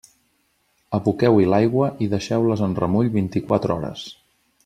Aboqueu-hi l'aigua i deixeu-les en remull vint-i-quatre hores.